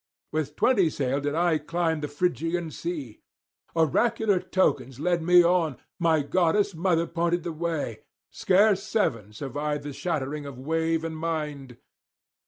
With twenty sail did I climb the Phrygian sea; oracular tokens led me on; my goddess mother pointed the way; scarce seven survive the shattering of wave and wind.